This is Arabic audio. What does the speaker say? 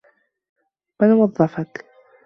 من وظّفك؟